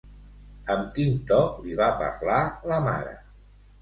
Amb quin to li va parlar la mare?